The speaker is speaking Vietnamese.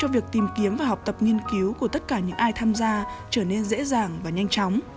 việc tìm kiếm và học tập nghiên cứu của tất cả những ai tham gia trở nên dễ dàng và nhanh chóng